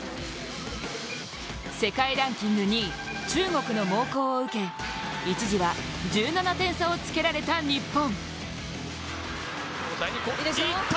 世界ランキング２位中国の猛攻を受け、一時は１７点差をつけられた日本。